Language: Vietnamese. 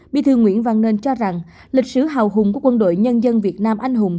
bí thư nguyễn văn nên cho rằng lịch sử hào hùng của quân đội nhân dân việt nam anh hùng